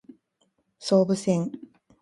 総武線